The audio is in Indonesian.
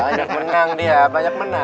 banyak menang dia banyak menang